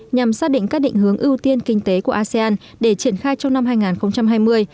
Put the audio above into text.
nhằm xác định các định hướng ưu tiên kinh tế của asean để triển khai trong năm hai nghìn hai mươi